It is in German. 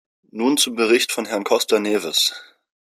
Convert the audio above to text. Nun zum Bericht von Herrn Costa Neves.